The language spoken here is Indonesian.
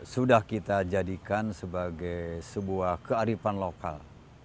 sudah kita jadikan sebagai sebuah kearifan lokal